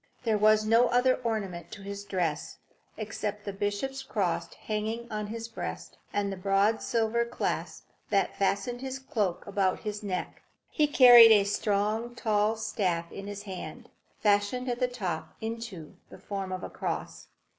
There was no other ornament to his dress except the bishop's cross hanging on his breast, and the broad silver clasp that fastened his cloak about his neck. He carried a strong, tall staff in his hand, fashioned at the top into the form of a cross.